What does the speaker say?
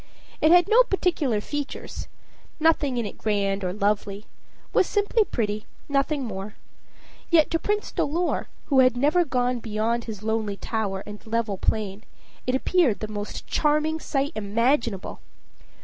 It had no particular features nothing in it grand or lovely was simply pretty, nothing more; yet to Prince Dolor, who had never gone beyond his lonely tower and level plain, it appeared the most charming sight imaginable.